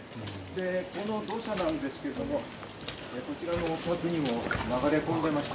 で、この土砂なんですけれども、こちらのおうちにも流れ込んでいます。